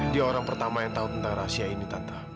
dia orang pertama yang tahu tentang rahasia ini tata